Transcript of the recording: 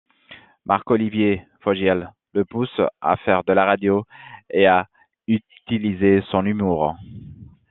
Marc-Olivier Fogiel le pousse à faire de la radio et à utiliser son humour.